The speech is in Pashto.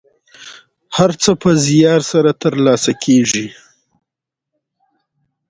د شکرې لرونکي ناشتې